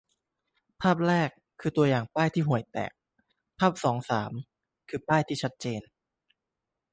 ภาพแรก คือตัวอย่างป้ายที่ห่วยแตก ภาพสอง-สาม คือป้ายที่ชัดเจน